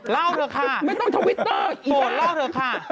เถอะค่ะไม่ต้องทวิตเตอร์อีโอเล่าเถอะค่ะ